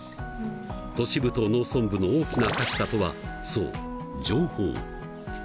都市部と農村部の大きな格差とはそう情報！